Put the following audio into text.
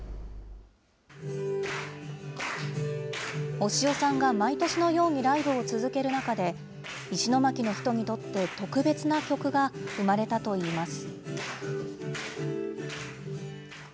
押尾さんが毎年のようにライブを続ける中で、石巻の人にとって特別な曲が生まれたといいます。